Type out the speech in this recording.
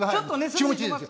気持ちいいですよ。